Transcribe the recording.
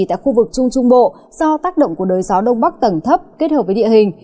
tại khu vực trung trung bộ do tác động của đới gió đông bắc tầng thấp kết hợp với địa hình